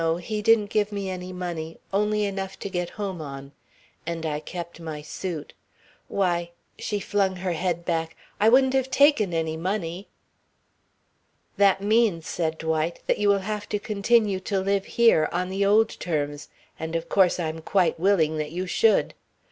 He didn't give me any money only enough to get home on. And I kept my suit why!" she flung her head back, "I wouldn't have taken any money!" "That means," said Dwight, "that you will have to continue to live here on the old terms, and of course I'm quite willing that you should.